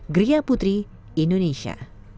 gria putri indonesia